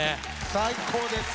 最高ですよ。